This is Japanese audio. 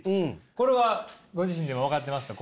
これはご自身でも分かってますか？